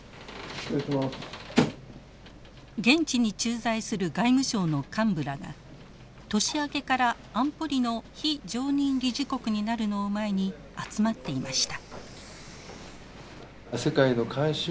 現地に駐在する外務省の幹部らが年明けから安保理の非常任理事国になるのを前に集まっていました。